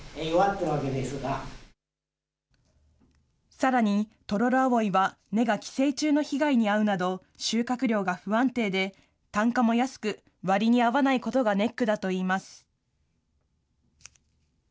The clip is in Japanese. さらに、トロロアオイは根が寄生虫の被害に遭うなど、収穫量が不安定で、単価も安く、割に合わないことがネックだといいます。